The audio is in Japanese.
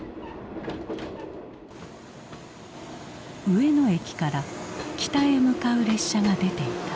上野駅から北へ向かう列車が出ていた。